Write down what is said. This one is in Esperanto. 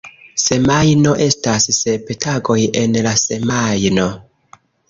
Semajno: estas sep tagoj en la semajno.